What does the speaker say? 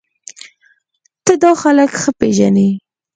ته دا خلک ښه پېژنې